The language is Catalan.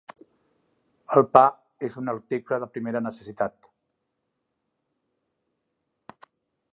El pa és un article de primera necessitat.